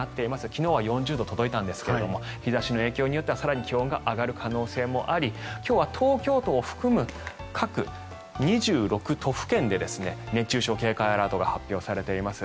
昨日は４０度届いたんですが日差しの影響によっては更に気温が上がる可能性もあり今日は東京都を含む各２６都府県で熱中症警戒アラートが発表されております。